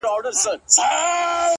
• لوبي وې؛